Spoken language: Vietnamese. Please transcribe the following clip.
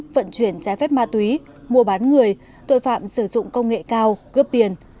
vận chuyển trái phép ma túy mua bán người tội phạm sử dụng công nghệ cao gấp biển